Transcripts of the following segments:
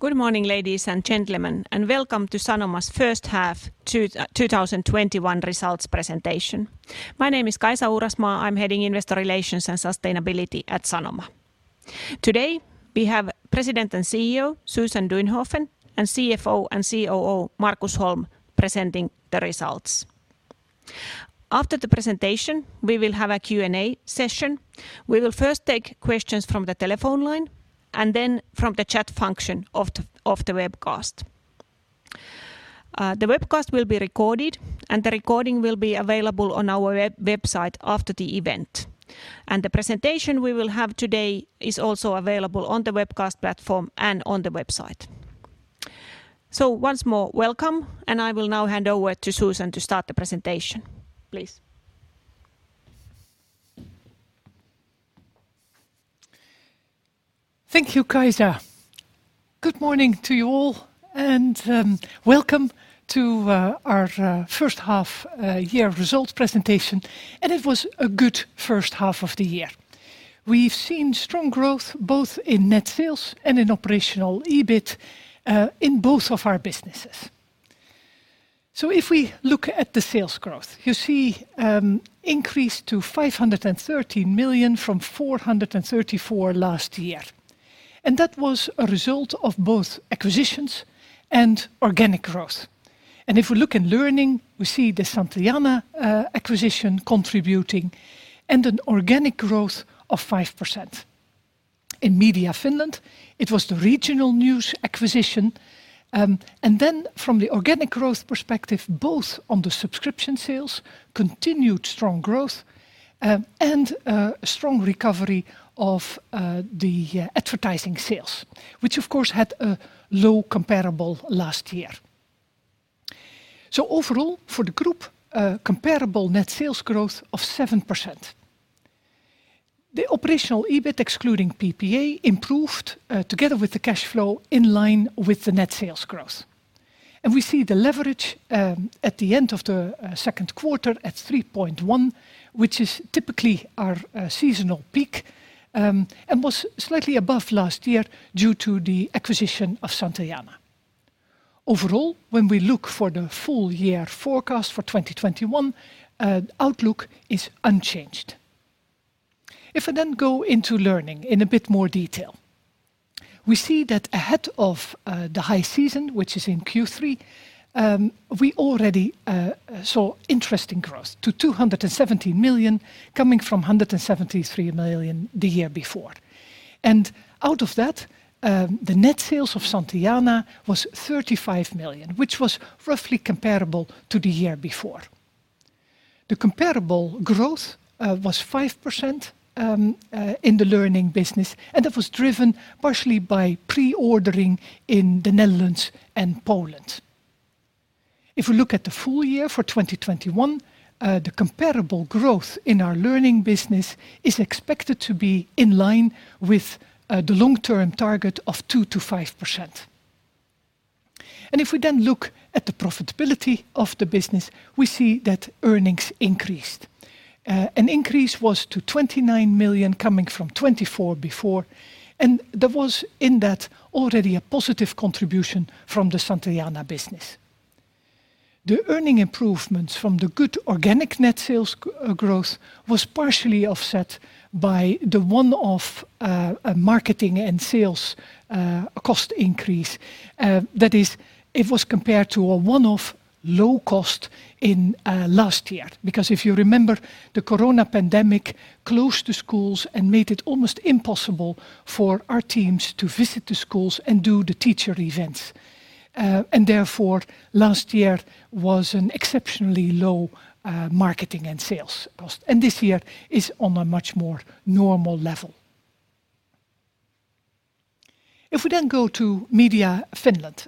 Good morning, ladies and gentlemen, and welcome to Sanoma's first half 2021 results presentation. My name is Kaisa Uurasmaa. I'm heading Investor Relations and Sustainability at Sanoma. Today, we have President and CEO Susan Duinhoven and CFO and COO Markus Holm presenting the results. After the presentation, we will have a Q&A session. We will first take questions from the telephone line and then from the chat function of the webcast. The webcast will be recorded, and the recording will be available on our website after the event. The presentation we will have today is also available on the webcast platform and on the website. Once more, welcome, and I will now hand over to Susan to start the presentation. Please. Thank you, Kaisa. Good morning to you all, welcome to our first half-year results presentation. It was a good first half of the year. We've seen strong growth both in net sales and in operational EBIT in both of our businesses. If we look at the sales growth, you see an increase to 530 million from 434 last year. That was a result of both acquisitions and organic growth. If we look in Learning, we see the Santillana acquisition contributing and an organic growth of 5%. In Media Finland, it was the Regional News acquisition. From the organic growth perspective, both on the subscription sales, continued strong growth, and a strong recovery of the advertising sales, which of course, had a low comparable last year. Overall, for the group, comparable net sales growth of 7%. The operational EBIT excluding PPA improved together with the cash flow in line with the net sales growth. We see the leverage at the end of the second quarter at 3.1, which is typically our seasonal peak, and was slightly above last year due to the acquisition of Santillana. Overall, when we look for the full-year forecast for 2021, outlook is unchanged. If I go into Learning in a bit more detail, we see that ahead of the high season, which is in Q3, we already saw interesting growth to 270 million coming from 173 million the year before. Out of that, the net sales of Santillana was 35 million, which was roughly comparable to the year before. The comparable growth was 5% in the Learning business, and that was driven partially by pre-ordering in the Netherlands and Poland. If we look at the full-year for 2021, the comparable growth in our Learning business is expected to be in line with the long-term target of 2%-5%. If we then look at the profitability of the business, we see that earnings increased. An increase was to 29 million coming from 24 before, and there was in that already a positive contribution from the Santillana business. The earning improvements from the good organic net sales growth was partially offset by the one-off marketing and sales cost increase. That is, it was compared to a one-off low cost in last year, because if you remember, the corona pandemic closed the schools and made it almost impossible for our teams to visit the schools and do the teacher events. Therefore, last year was an exceptionally low marketing and sales cost. This year is on a much more normal level. If we then go to Media Finland.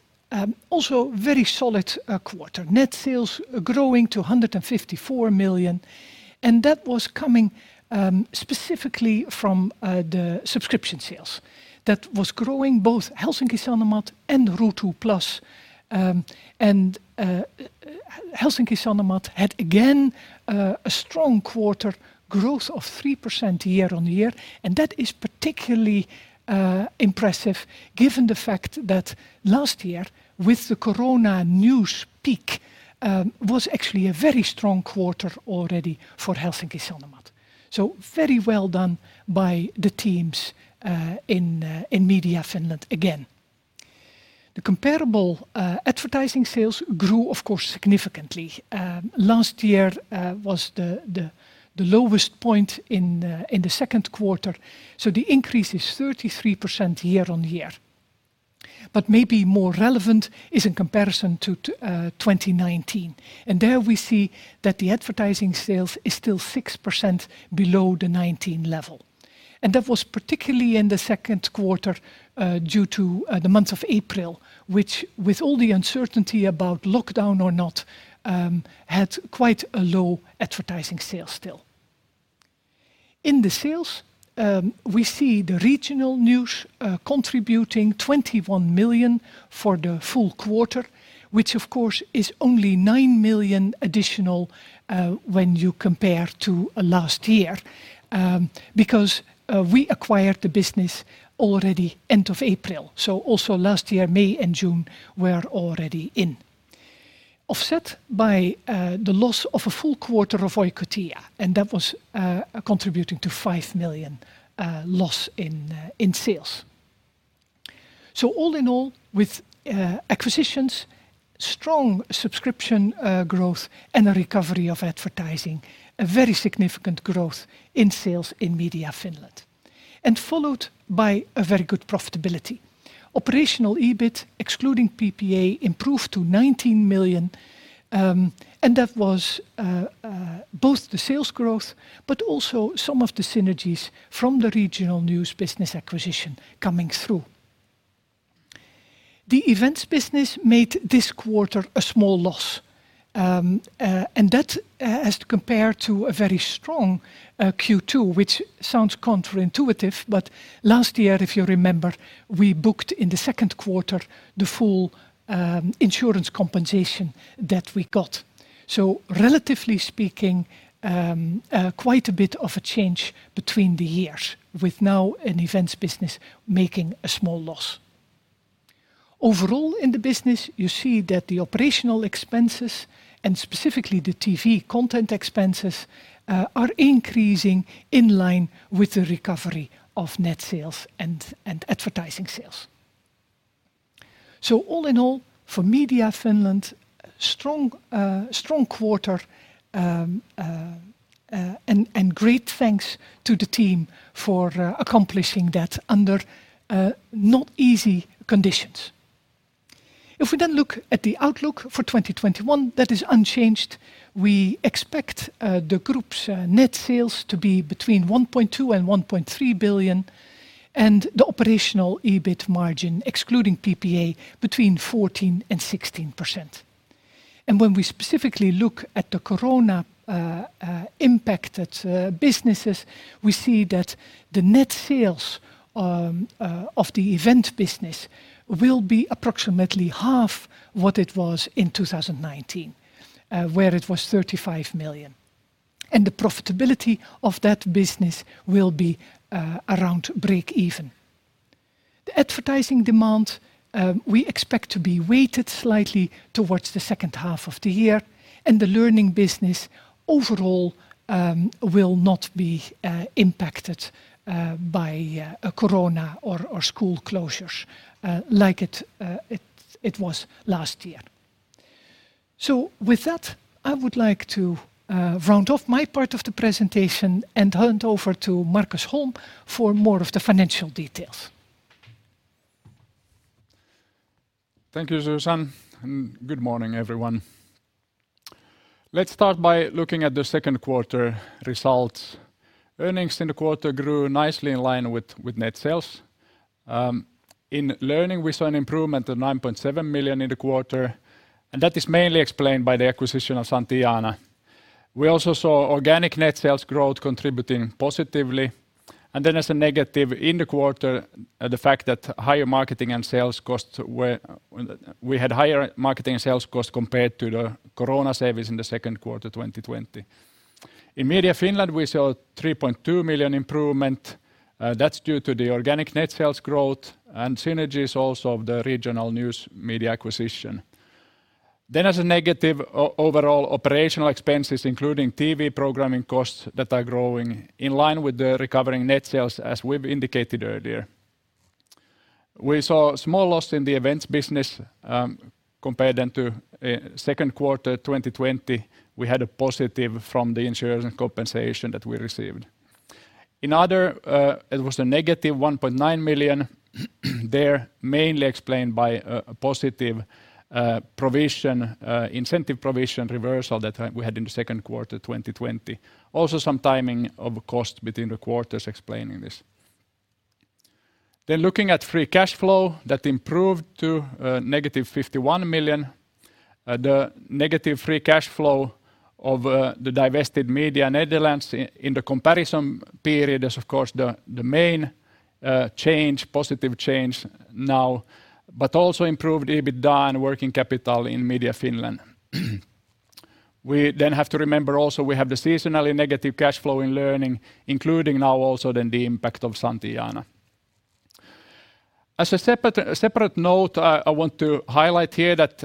Also very solid quarter. Net sales growing to 154 million, and that was coming specifically from the subscription sales that was growing both Helsingin Sanomat and Ruutu+. Helsingin Sanomat had, again, a strong quarter growth of 3% year-on-year. That is particularly impressive given the fact that last year, with the corona news peak, was actually a very strong quarter already for Helsingin Sanomat. Very well done by the teams in Media Finland again. The comparable advertising sales grew, of course, significantly. Last year was the lowest point in the second quarter, so the increase is 33% year-on-year. Maybe more relevant is in comparison to 2019. There we see that the advertising sales is still 6% below the 2019 level. That was particularly in the second quarter due to the month of April, which with all the uncertainty about lockdown or not, had quite a low advertising sale still. In the sales, we see the Regional News contributing 21 million for the full quarter, which of course is only 9 million additional when you compare to last year, because we acquired the business already end of April. Also last year, May and June were already in. Offset by the loss of a full quarter of Oikotie, and that was contributing to 5 million loss in sales. All in all, with acquisitions, strong subscription growth, and a recovery of advertising, a very significant growth in sales in Media Finland, and followed by a very good profitability. Operational EBIT, excluding PPA, improved to 19 million. That was both the sales growth, but also some of the synergies from the regional news business acquisition coming through. The events business made this quarter a small loss. That as compared to a very strong Q2, which sounds counterintuitive. Last year, if you remember, we booked in the second quarter the full insurance compensation that we got. Relatively speaking, quite a bit of a change between the years with now an events business making a small loss. Overall in the business, you see that the operational expenses, and specifically the TV content expenses, are increasing in line with the recovery of net sales and advertising sales. All in all, for Media Finland, strong quarter. Great thanks to the team for accomplishing that under not easy conditions. If we look at the outlook for 2021, that is unchanged. We expect the group's net sales to be between 1.2 billion and 1.3 billion, the operational EBIT margin, excluding PPA, between 14% and 16%. When we specifically look at the corona-impacted businesses, we see that the net sales of the event business will be approximately half what it was in 2019, where it was 35 million. The profitability of that business will be around breakeven. The advertising demand, we expect to be weighted slightly towards the second half of the year, the learning business overall will not be impacted by corona or school closures like it was last year. With that, I would like to round off my part of the presentation and hand over to Markus Holm for more of the financial details. Thank you, Susan, good morning, everyone. Let's start by looking at the second quarter results. Earnings in the quarter grew nicely in line with net sales. In learning, we saw an improvement of 9.7 million in the quarter, that is mainly explained by the acquisition of Santillana. We also saw organic net sales growth contributing positively. As a negative in the quarter, the fact that we had higher marketing and sales costs compared to the corona savings in the second quarter 2020. In Media Finland, we saw 3.2 million improvement. That's due to the organic net sales growth and synergies also of the regional news media acquisition. As a negative overall operational expenses including TV programming costs that are growing in line with the recovering net sales as we've indicated earlier. We saw a small loss in the events business compared then to second quarter 2020. We had a positive from the insurance compensation that we received. In other, it was a -1.9 million there, mainly explained by a positive incentive provision reversal that we had in the second quarter 2020. Also, some timing of cost between the quarters explaining this. Looking at free cash flow, that improved to -51 million. The negative free cash flow of the divested Media Netherlands in the comparison period is of course the main positive change now, but also improved EBITDA and working capital in Media Finland. We then have to remember also we have the seasonally negative cash flow in learning, including now also then the impact of Santillana. As a separate note, I want to highlight here that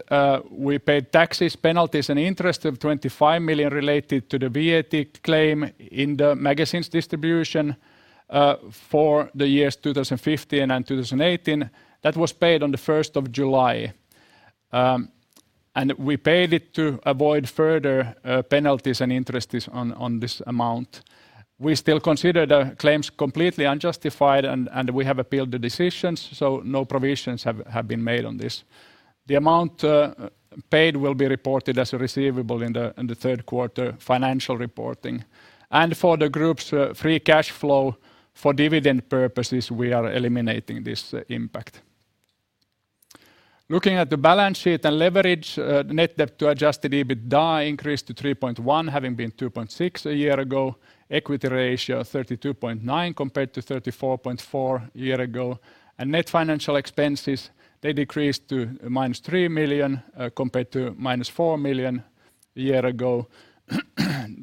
we paid taxes, penalties, and interest of 25 million related to the VAT claim in the magazine's distribution for the years 2015 and 2018. That was paid on the 1st of July. We paid it to avoid further penalties and interests on this amount. We still consider the claims completely unjustified, and we have appealed the decisions, so no provisions have been made on this. The amount paid will be reported as a receivable in the third quarter financial reporting. For the group's free cash flow for dividend purposes, we are eliminating this impact. Looking at the balance sheet and leverage, net debt to adjusted EBITDA increased to 3.1, having been 2.6 a year ago. Equity ratio 32.9% compared to 34.4% a year ago. Net financial expenses, they decreased to minus 3 million compared to minus 4 million a year ago.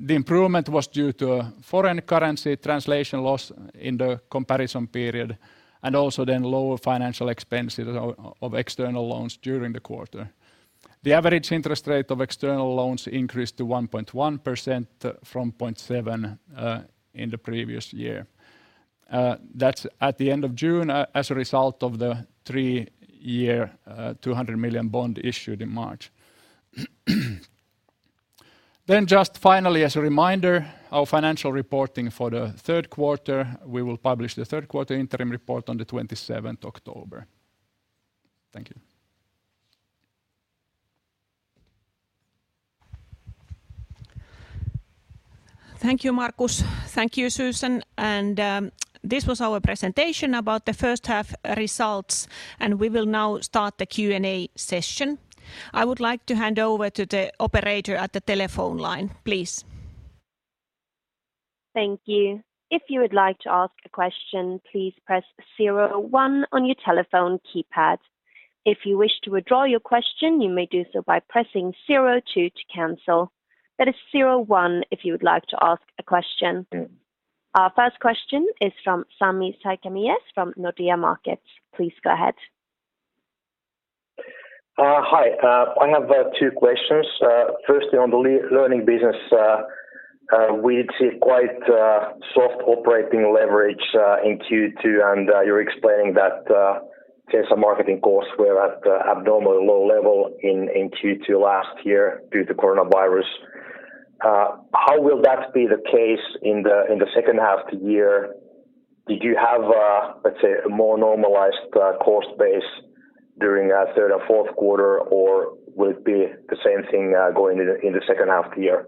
The improvement was due to a foreign currency translation loss in the comparison period, lower financial expenses of external loans during the quarter. The average interest rate of external loans increased to 1.1% from 0.7% in the previous year. That's at the end of June, as a result of the three-year $200 million bond issued in March. Just finally, as a reminder, our financial reporting for the third quarter, we will publish the third quarter interim report on the 27th October. Thank you. Thank you, Markus. Thank you, Susan. This was our presentation about the first half results. We will now start the Q&A session. I would like to hand over to the operator at the telephone line, please. Thank you. If you would like to ask a question, please press zero one on your telephone keypad. If you wish to withdraw your question, you may do so by pressing zero two to cancel. That is zero one if you would like to ask a question. Our first question is from Sami Sarkamies from Nordea Markets. Please go ahead. Hi. I have two questions. Firstly, on the Learning business. We see quite soft operating leverage in Q2, and you're explaining that there's some marketing costs were at abnormally low level in Q2 last year due to coronavirus. How will that be the case in the second half the year? Did you have a, let's say, a more normalized cost base during third and fourth quarter, or will it be the same thing going into second half the year?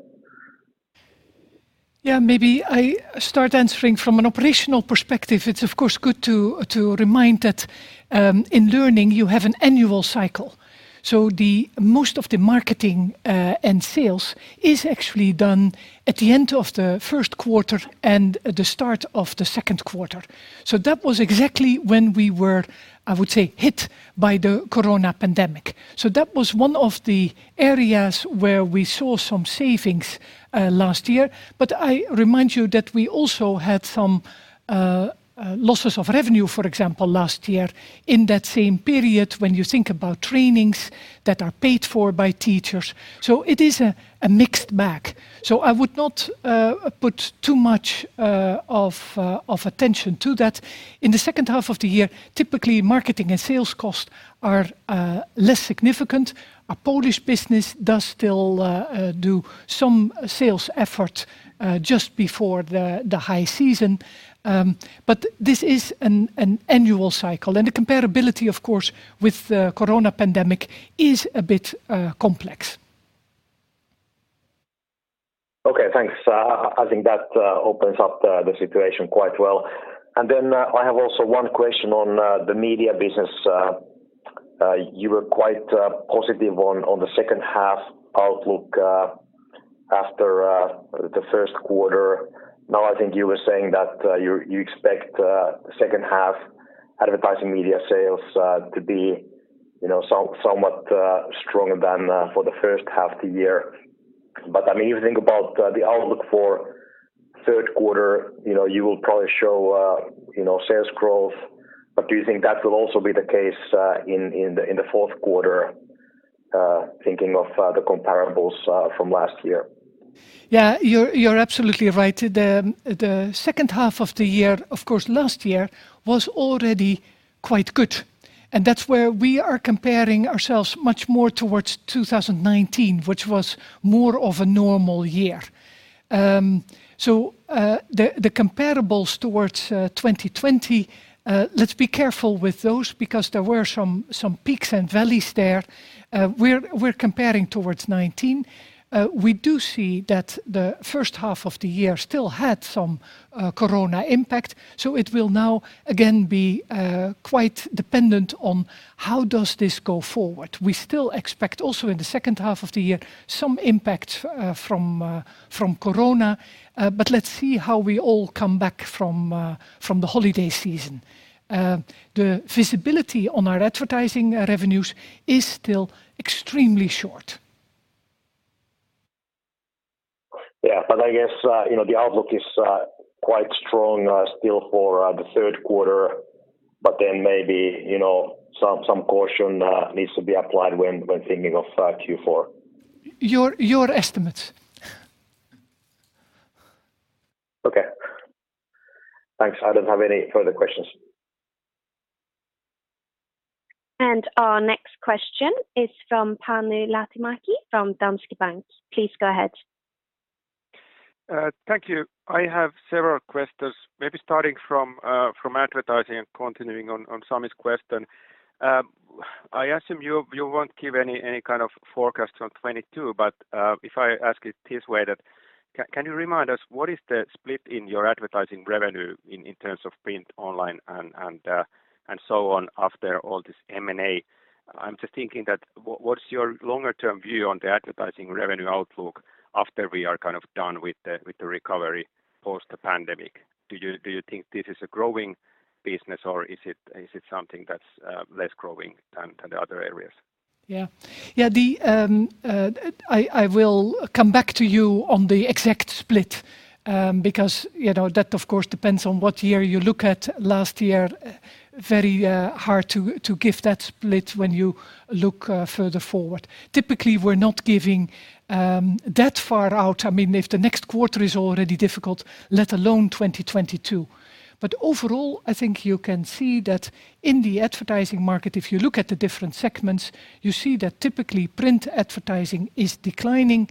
Yeah, maybe I start answering from an operational perspective. It's of course good to remind that in Learning you have an annual cycle. Most of the marketing and sales is actually done at the end of the first quarter and the start of the second quarter. That was exactly when we were, I would say, hit by the corona pandemic. That was one of the areas where we saw some savings last year. I remind you that we also had some losses of revenue, for example, last year in that same period when you think about trainings that are paid for by teachers, so it is a mixed bag. I would not put too much of attention to that. In the second half of the year, typically, marketing and sales costs are less significant. Our Polish business does still do some sales effort just before the high season. This is an annual cycle, and the comparability of course, with the Corona pandemic is a bit complex. Okay, thanks. I think that opens up the situation quite well. Then I have also one question on the Media business. You were quite positive on the second half outlook after the first quarter. Now I think you were saying that you expect the second half advertising media sales to be somewhat stronger than for the first half the year. If you think about the outlook for third quarter, you will probably show sales growth. Do you think that will also be the case in the fourth quarter, thinking of the comparables from last year? Yeah, you're absolutely right. The second half of the year, of course, last year was already quite good, and that's where we are comparing ourselves much more towards 2019, which was more of a normal year. The comparables towards 2020, let's be careful with those because there were some peaks and valleys there. We're comparing towards 2019. We do see that the first half of the year still had some corona impact, so it will now again be quite dependent on how does this go forward. We still expect also in the second half of the year some impact from corona, but let's see how we all come back from the holiday season. The visibility on our advertising revenues is still extremely short. I guess the outlook is quite strong still for the third quarter. Maybe some caution needs to be applied when thinking of Q4. Your estimates. Okay. Thanks. I don't have any further questions. Our next question is from Panu Laitinmäki from Danske Bank. Please go ahead. Thank you. I have several questions. Maybe starting from advertising and continuing on Sami's question. I assume you won't give any kind of forecast on 2022. If I ask it this way, that can you remind us what is the split in your advertising revenue in terms of print online and so on after all this M&A? I'm just thinking that what's your longer-term view on the advertising revenue outlook after we are kind of done with the recovery post the pandemic? Do you think this is a growing business or is it something that's less growing than the other areas? Yeah. I will come back to you on the exact split, because that, of course, depends on what year you look at. Last year, very hard to give that split when you look further forward. Typically, we're not giving that far out. If the next quarter is already difficult, let alone 2022. Overall, I think you can see that in the advertising market, if you look at the different segments, you see that typically print advertising is declining.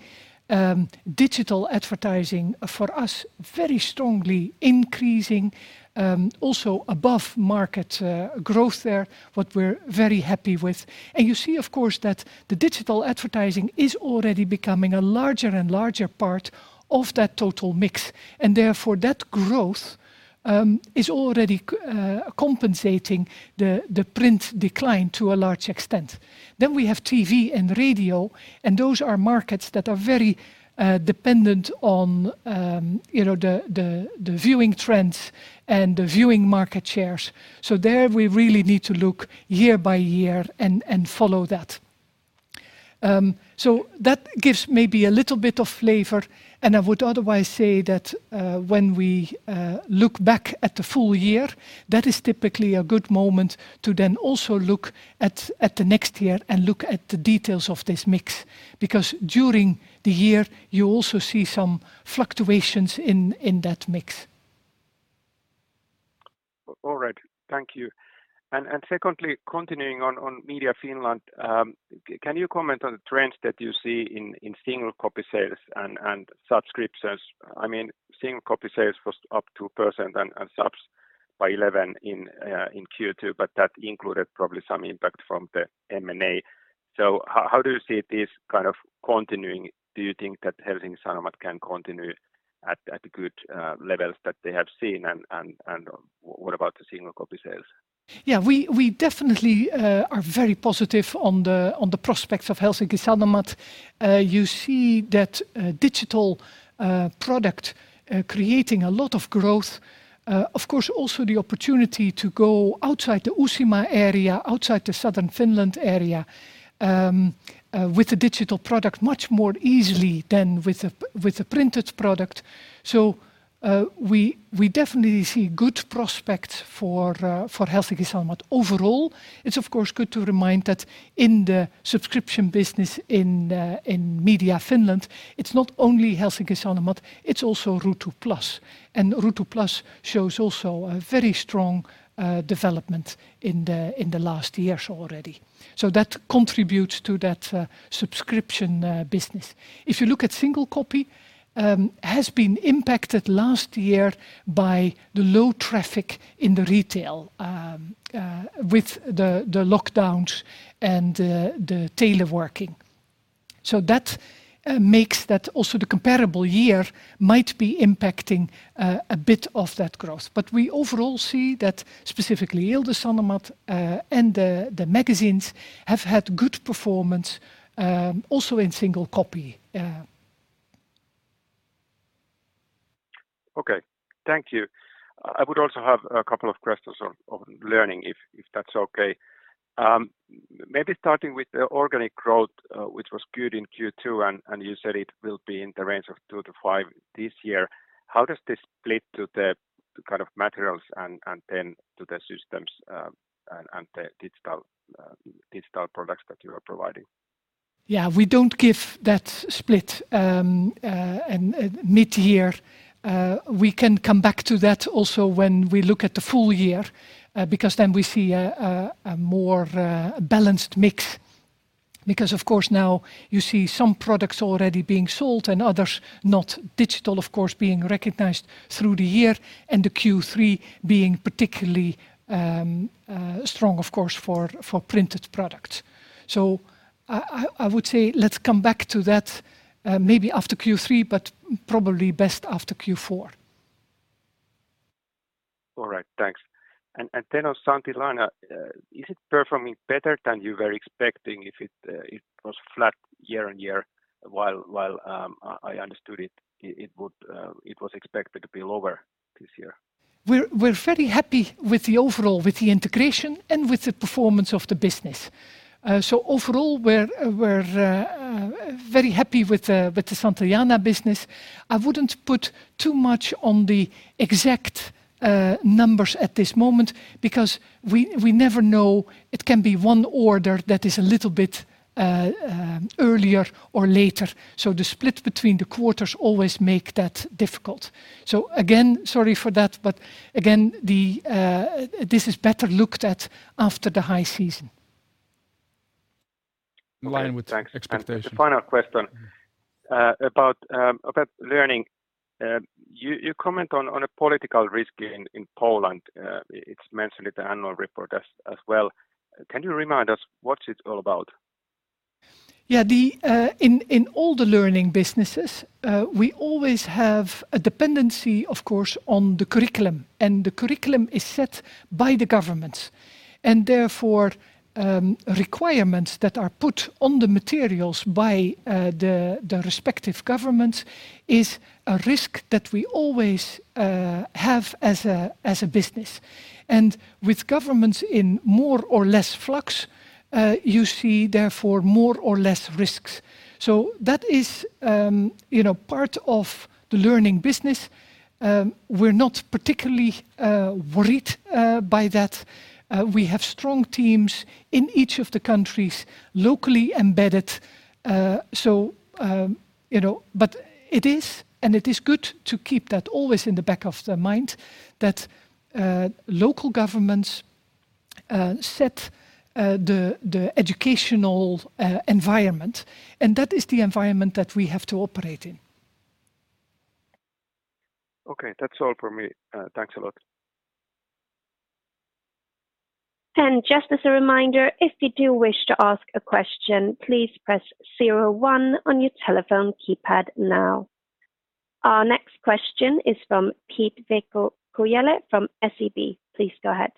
Digital advertising, for us, very strongly increasing, also above-market growth there, what we're very happy with. You see, of course, that the digital advertising is already becoming a larger and larger part of that total mix, and therefore that growth is already compensating the print decline to a large extent. We have TV and radio, and those are markets that are very dependent on the viewing trends and the viewing market shares. There we really need to look year-by-year and follow that. That gives maybe a little bit of flavor, and I would otherwise say that when we look back at the full-year, that is typically a good moment to then also look at the next year and look at the details of this mix. Because during the year, you also see some fluctuations in that mix. All right. Thank you. Secondly, continuing on Sanoma Media Finland, can you comment on the trends that you see in single copy sales and subscriptions? Single copy sales was up 2% and subs by 11 in Q2, that included probably some impact from the M&A. How do you see this kind of continuing? Do you think that Helsingin Sanomat can continue at the good levels that they have seen and what about the single copy sales? We definitely are very positive on the prospects of Helsingin Sanomat. You see that digital product creating a lot of growth. Of course, also the opportunity to go outside the Uusimaa area, outside the Southern Finland area, with a digital product much more easily than with a printed product. We definitely see good prospects for Helsingin Sanomat. Overall, it's of course good to remind that in the subscription business in Media Finland, it's not only Helsingin Sanomat, it's also Ruutu+. Ruutu+ shows also a very strong development in the last years already. That contributes to that subscription business. If you look at single copy, has been impacted last year by the low traffic in the retail with the lockdowns and the teleworking. That makes that also the comparable year might be impacting a bit of that growth. We overall see that specifically Ilta-Sanomat and the magazines have had good performance also in single copy. Okay. Thank you. I would also have a couple of questions on Learning, if that's okay. Maybe starting with the organic growth, which was good in Q2, and you said it will be in the range of 2%-5% this year. How does this split to the kind of materials and then to the systems and the digital products that you are providing? Yeah. We don't give that split mid-year. We can come back to that also when we look at the full-year, because then we see a more balanced mix. Of course now, you see some products already being sold and others not. Digital, of course, being recognized through the year and the Q3 being particularly strong, of course, for printed products. I would say let's come back to that maybe after Q3, but probably best after Q4. All right. Thanks. On Santillana, is it performing better than you were expecting if it was flat year-on-year while I understood it was expected to be lower this year? We're very happy with the overall, with the integration and with the performance of the business. Overall, we're very happy with the Santillana business. I wouldn't put too much on the exact numbers at this moment because we never know, it can be one order that is a little bit earlier or later. The split between the quarters always make that difficult. Again, sorry for that. Again, this is better looked at after the high season. In line with expectation. The final question about Learning. You comment on a political risk in Poland. It's mentioned in the annual report as well. Can you remind us what it's all about? Yeah. In all the learning businesses, we always have a dependency, of course, on the curriculum. The curriculum is set by the governments. Therefore, requirements that are put on the materials by the respective governments is a risk that we always have as a business. With governments in more or less flux, you see, therefore, more or less risks. That is part of the learning business. We're not particularly worried by that. We have strong teams in each of the countries, locally embedded. It is good to keep that always in the back of the mind that local governments set the educational environment, and that is the environment that we have to operate in. Okay. That's all from me. Thanks a lot. Just as a reminder, if you do wish to ask a question, please press zero one on your telephone keypad now. Our next question is from Pete-Veikko Kujala from SEB. Please go ahead.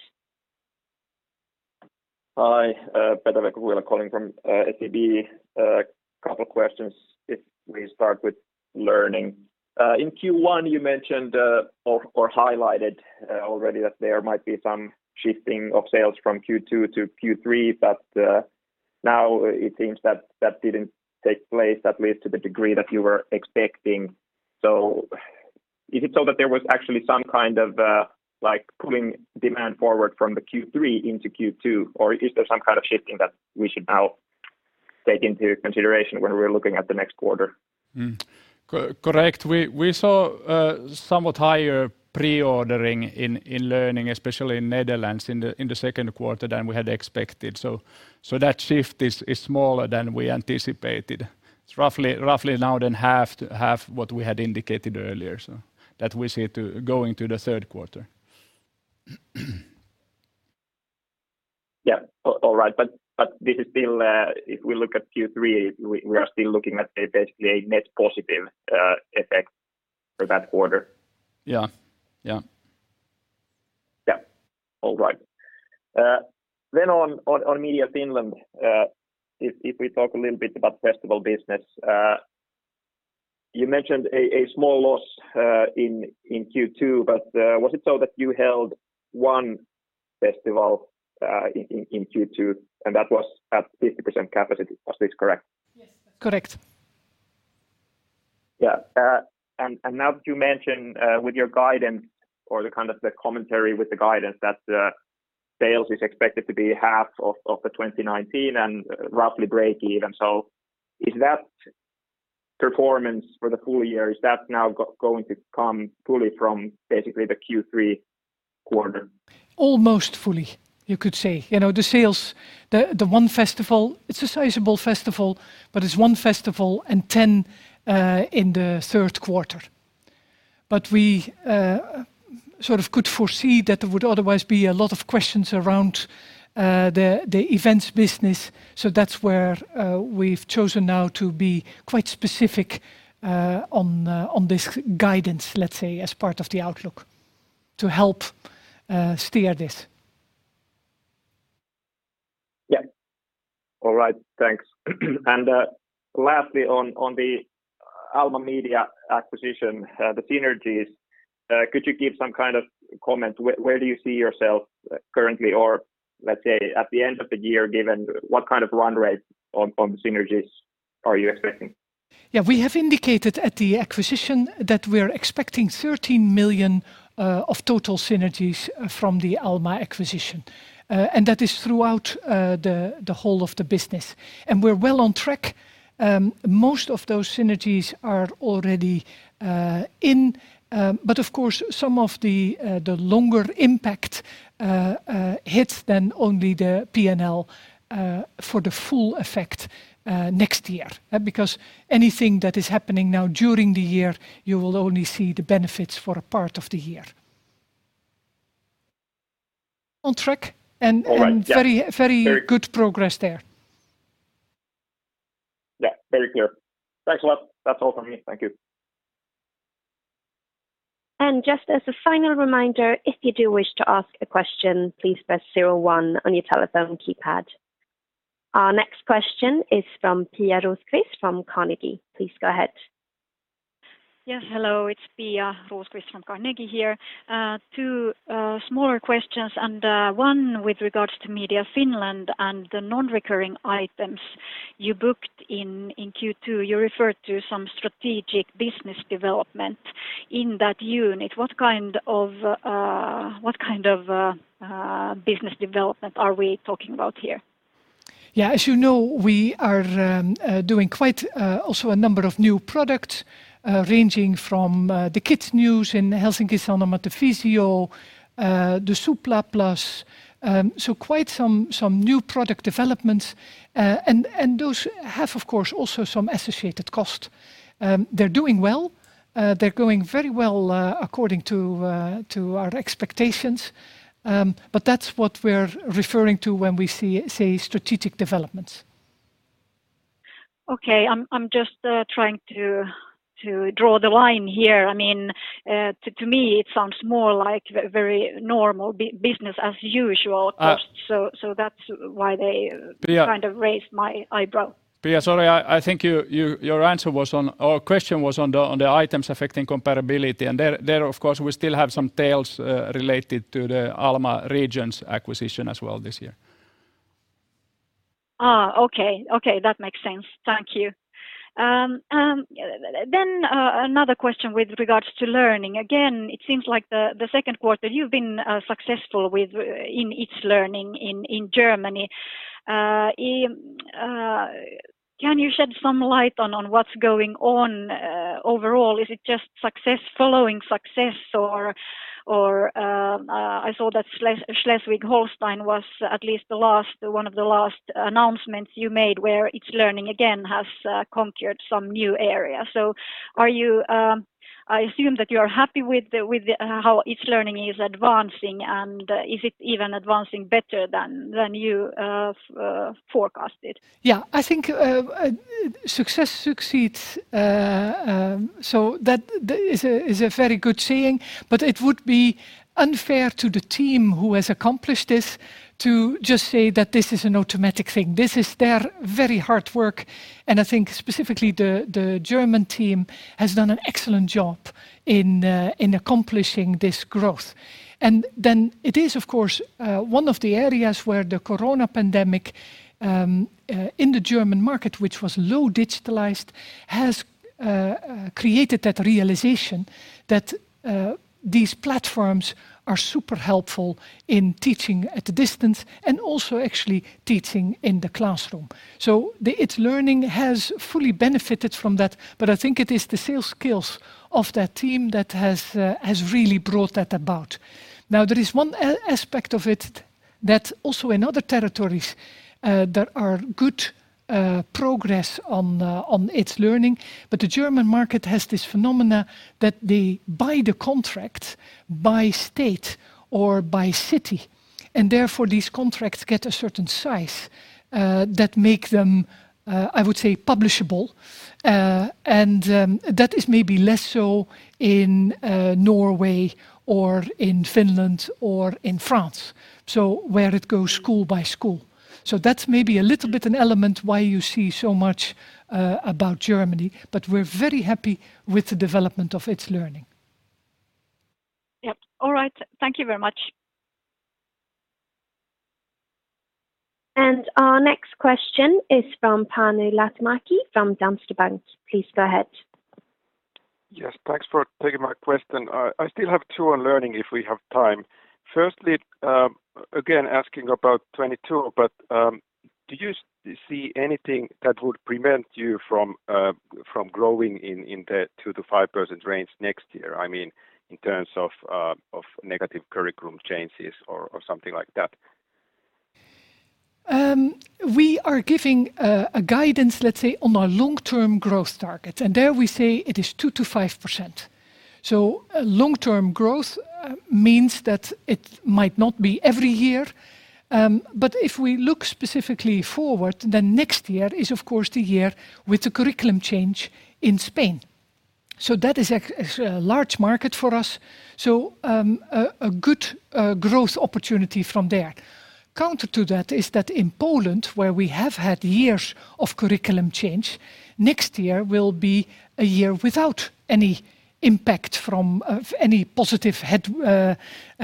Hi. Pete-Veikko Kujala calling from SEB. Couple of questions. We start with learning. In Q1, you mentioned or highlighted already that there might be some shifting of sales from Q2 to Q3. Now it seems that that didn't take place, at least to the degree that you were expecting. Is it so that there was actually some kind of pulling demand forward from the Q3 into Q2, or is there some kind of shifting that we should now take into consideration when we're looking at the next quarter? Correct. We saw somewhat higher pre-ordering in learning, especially in Netherlands, in the second quarter than we had expected. That shift is smaller than we anticipated. It's roughly now than half what we had indicated earlier, so that we see going to the third quarter. Yeah. All right. This is still if we look at Q3, we are still looking at basically a net positive effect for that quarter. Yeah. Yeah. All right. On Media Finland, if we talk a little bit about festival business. You mentioned a small loss in Q2, but was it so that you held one festival in Q2 and that was at 50% capacity? Was this correct? Yes, that's correct. Yeah. Now that you mention with your guidance or the kind of the commentary with the guidance that sales is expected to be half of the 2019 and roughly breakeven. Is that performance for the full-year, is that now going to come fully from basically the Q3 quarter? Almost fully, you could say. The sales, the one festival, it's a sizable festival, but it's one festival and 10 in the third quarter. We sort of could foresee that there would otherwise be a lot of questions around the events business. That's where we've chosen now to be quite specific on this guidance, let's say, as part of the outlook to help steer this. Yeah. All right. Thanks. Lastly, on the Alma Media acquisition, the synergies, could you give some kind of comment? Where do you see yourself currently, or let's say, at the end of the year, given what kind of run rate on synergies are you expecting? Yeah. We have indicated at the acquisition that we're expecting 13 million of total synergies from the Alma acquisition. That is throughout the whole of the business. We're well on track. Most of those synergies are already in. Of course, some of the longer impact hits than only the P&L for the full effect next year. Anything that is happening now during the year, you will only see the benefits for a part of the year. All right. Yeah. very good progress there. Yeah. Very clear. Thanks a lot. That's all from me. Thank you. Just as a final reminder, if you do wish to ask a question, please press zero one on your telephone keypad. Our next question is from Pia Rosqvist from Carnegie. Please go ahead. Yes. Hello. It's Pia Rosqvist from Carnegie here. Two smaller questions, and one with regards to Media Finland and the non-recurring items you booked in Q2. You referred to some strategic business development in that unit. What kind of business development are we talking about here? Yeah. As you know, we are doing quite also a number of new product ranging from the kids news in Helsingin Sanomat, the HS Visio, the Supla+. Quite some new product developments. Those have, of course, also some associated cost. They're doing well. They're going very well according to our expectations. That's what we're referring to when we say strategic developments. Okay. I'm just trying to draw the line here. To me, it sounds more like very normal business as usual. That's why. Pia kind of raised my eyebrow. Pia, sorry, I think your question was on the items affecting comparability, and there, of course, we still have some tails related to the Alma Regions acquisition as well this year. Okay. That makes sense. Thank you. Another question with regards to learning. It seems like the second quarter, you've been successful with itslearning in Germany. Can you shed some light on what's going on overall? Is it just success following success, or I saw that Schleswig-Holstein was at least one of the last announcements you made where itslearning again has conquered some new area. I assume that you're happy with how itslearning is advancing, and is it even advancing better than you forecasted? Yeah, I think success succeeds. That is a very good saying, but it would be unfair to the team who has accomplished this to just say that this is an automatic thing. This is their very hard work, and I think specifically the German team has done an excellent job in accomplishing this growth. Then it is, of course, one of the areas where the coronavirus pandemic in the German market, which was low digitalized, has created that realization that these platforms are super helpful in teaching at a distance and also actually teaching in the classroom. Itslearning has fully benefited from that, but I think it is the sales skills of that team that has really brought it about. There is one aspect of it that also in other territories, there are good progress on itslearning, but the German market has this phenomenon that they buy the contract by state or by city, and therefore, these contracts get a certain size that make them, I would say, publishable. That is maybe less so in Norway or in Finland or in France, so where it goes school by school. That's maybe a little bit an element why you see so much about Germany, but we're very happy with the development of itslearning. Yep. All right. Thank you very much. Our next question is from Panu Laitinmäki from Danske Bank. Please go ahead. Yes, thanks for taking my question. I still have two on learning if we have time. Firstly, again asking about 2022, but do you see anything that would prevent you from growing in the 2%-5% range next year, in terms of negative curriculum changes or something like that? We are giving a guidance, let's say, on our long-term growth targets. There we say it is 2%-5%. Long-term growth means that it might not be every year. If we look specifically forward, next year is, of course, the year with the curriculum change in Spain. That is a large market for us, a good growth opportunity from there. Counter to that is that in Poland, where we have had years of curriculum change, next year will be a year without any impact from any positive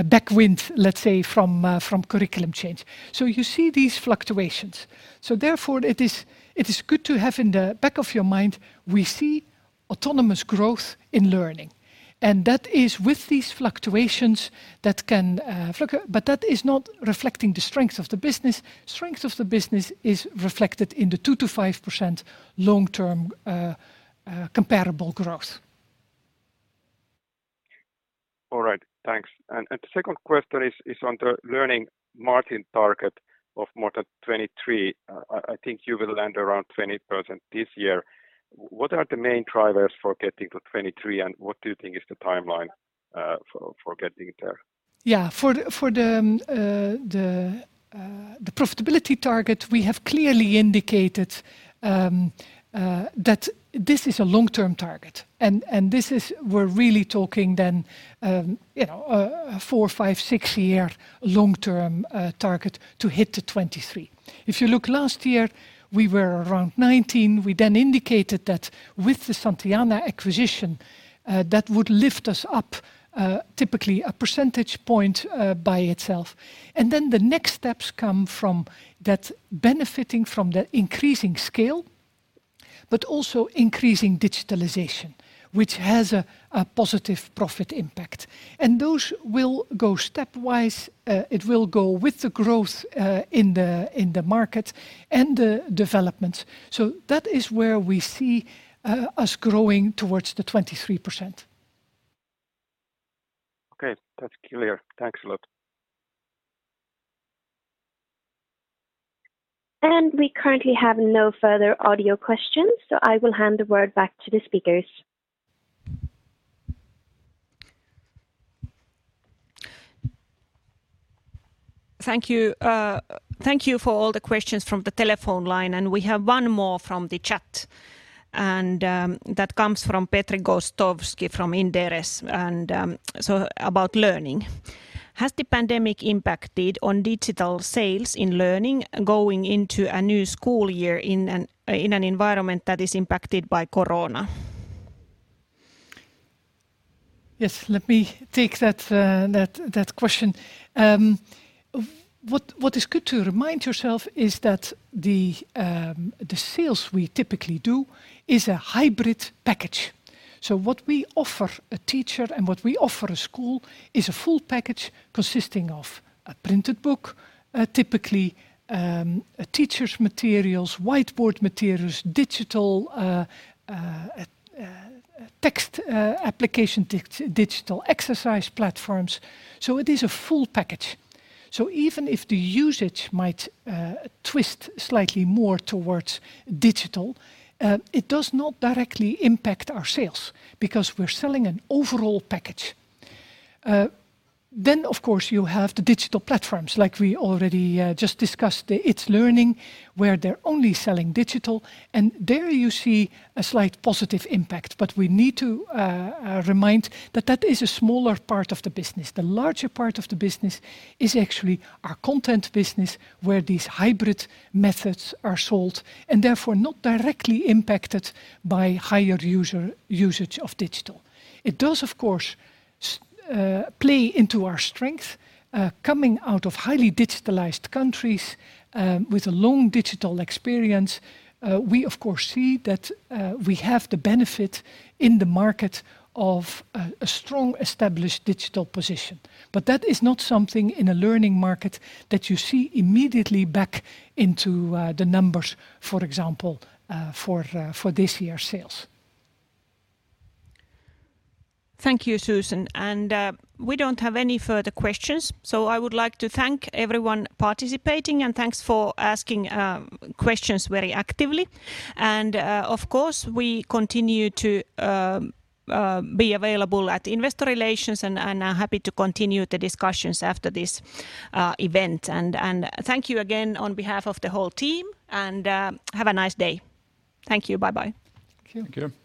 back wind, let's say, from curriculum change. You see these fluctuations. Therefore, it is good to have in the back of your mind. We see autonomous growth in learning. That is with these fluctuations, that is not reflecting the strength of the business. Strength of the business is reflected in the 2%-5% long-term comparable growth. All right, thanks. The second question is on the learning margin target of more than 23%. I think you will land around 20% this year. What are the main drivers for getting to 23%, and what do you think is the timeline for getting it there? Yeah. For the profitability target, we have clearly indicated that this is a long-term target. We're really talking then a four, five, six-year long-term target to hit the 23%. If you look last year, we were around 19%. We then indicated that with the Santillana acquisition, that would lift us up typically a percentage point by itself. The next steps come from that benefiting from the increasing scale, but also increasing digitalization, which has a positive profit impact. Those will go stepwise. It will go with the growth in the market and the developments. That is where we see us growing towards the 23%. Okay, that's clear. Thanks a lot. We currently have no further audio questions, so I will hand the word back to the speakers. Thank you for all the questions from the telephone line. We have one more from the chat, and that comes from Petri Gostowski from Inderes, about learning. Has the pandemic impacted on digital sales in learning going into a new school year in an environment that is impacted by corona? Yes, let me take that question. What is good to remind yourself is that the sales we typically do is a hybrid package. What we offer a teacher and what we offer a school is a full package consisting of a printed book, typically, teacher's materials, whiteboard materials, digital text application, digital exercise platforms. It is a full package. Even if the usage might twist slightly more towards digital, it does not directly impact our sales because we're selling an overall package. Of course, you have the digital platforms, like we already just discussed, the itslearning, where they're only selling digital, and there you see a slight positive impact. We need to remind that that is a smaller part of the business. The larger part of the business is actually our content business, where these hybrid methods are sold and therefore not directly impacted by higher usage of digital. It does, of course, play into our strength, coming out of highly digitalized countries, with a long digital experience. We of course see that we have the benefit in the market of a strong, established digital position. That is not something in a learning market that you see immediately back into the numbers, for example, for this year's sales. Thank you, Susan. We don't have any further questions, so I would like to thank everyone participating, and thanks for asking questions very actively. Of course, we continue to be available at investor relations and are happy to continue the discussions after this event. Thank you again on behalf of the whole team, and have a nice day. Thank you. Bye-bye. Thank you.